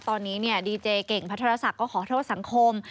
ตอนนี้ดีเจเก่งพัทรศักดิ์ก็ขอโทษสังคม